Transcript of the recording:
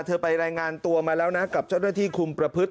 ไปรายงานตัวมาแล้วนะกับเจ้าหน้าที่คุมประพฤติ